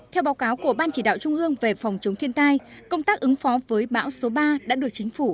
theo báo cáo của ban chỉ đạo trung ương về phòng chống thiên tai công tác ứng phó với bão số ba đã được chính phủ